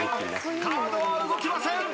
カードは動きません！